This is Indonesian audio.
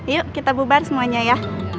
yuk kita bubar semuanya ya